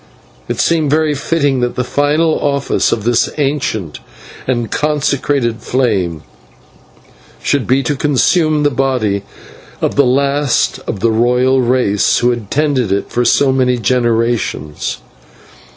It seemed very fitting that the latest office of this ancient and consecrated flame should be to consume the body of the last of the royal race who had tended it for so many generations.